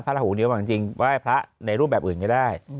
พระราหูนิวหมายจริงไว้ภาณาให้ในรูปแบบอื่นก็ได้